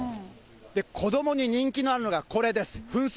子どもに人気のあるのがこれです、噴水。